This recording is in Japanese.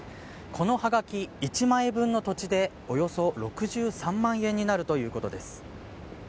このはがき１枚分の土地でおよそ６３万円になるということです。